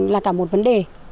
là cả một vấn đề